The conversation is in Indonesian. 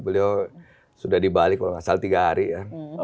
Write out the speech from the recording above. beliau sudah di bali kalau gak salah tiga hari ya